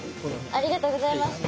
ありがとうございます。